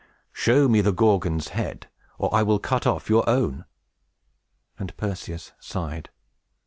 "Show me the Gorgon's head, or I will cut off your own!" And Perseus sighed.